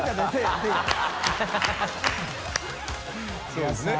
そうですね。